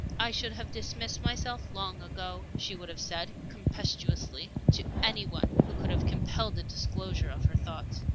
"I should have dismissed myself long ago," she would have said, contemptuously, to any one who could have compelled the disclosure of her thoughts.